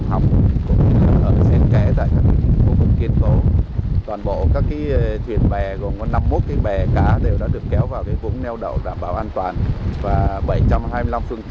phương tiện cũng đã được đưa vào các vùng neo đảo an toàn